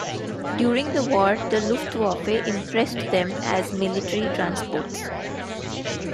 During the war, the "Luftwaffe" impressed them as military transports.